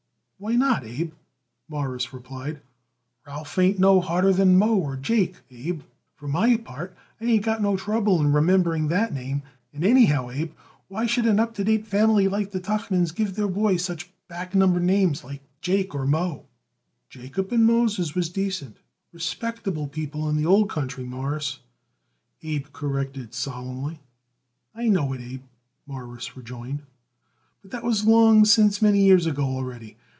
"Why not, Abe?" Morris replied. "Ralph ain't no harder than Moe or Jake, Abe. For my part, I ain't got no trouble in remembering that name; and anyhow, Abe, why should an up to date family like the Tuchmans give their boys such back number names like Jake or Moe?" "Jacob and Moses was decent, respectable people in the old country, Mawruss," Abe corrected solemnly. "I know it, Abe," Morris rejoined; "but that was long since many years ago already.